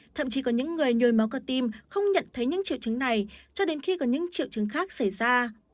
thậm chí có những người nhồi máu cơ tim không nhận thấy những triệu chứng này cho đến khi có những triệu chứng khác xảy ra